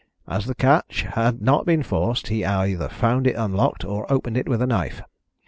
As the catch has not been forced, he either found it unlocked or opened it with a knife.